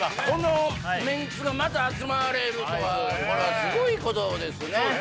このメンツがまた集まれるとはすごいことですね